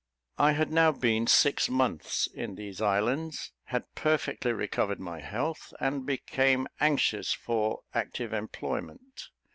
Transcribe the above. I had now been six months in these islands, had perfectly recovered my health, and became anxious for active employment.